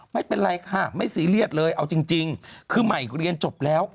ไม่เป็นไรค่ะไม่ซีเรียสเลยเอาจริงคือใหม่เรียนจบแล้ว